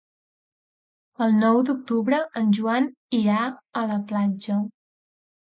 El nou d'octubre en Joan irà a la platja.